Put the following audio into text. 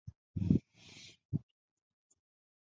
暗门的开口也可以是在一个壁上但表面并不齐平。